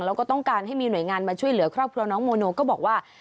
แล้วก็ต้องการให้มีหน่วยงานมาช่วยเหลือครอบครัวน้องโมโนก็บอกว่า